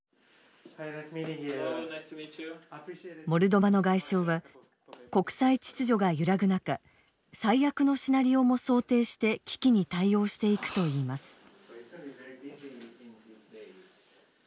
モルドバの外相は国際秩序が揺らぐ中最悪のシナリオも想定して危機に対応していくと言います。